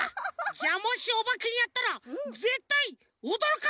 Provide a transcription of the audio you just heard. じゃもしおばけにあったらぜったいおどろかしてやる！